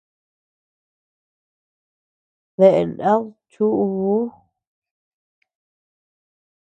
¿Dea nad chuʼuu?